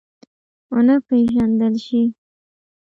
ونه پېژندل شي.